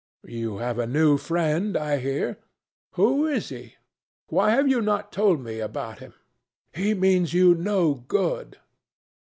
"You have a new friend, I hear. Who is he? Why have you not told me about him? He means you no good."